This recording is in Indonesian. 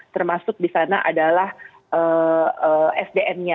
termasuk di sana adalah sdm nya